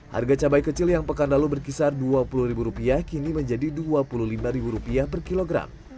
harga cabai kecil yang pekan lalu berkisar dua puluh rupiah kini menjadi dua puluh lima rupiah per kilogram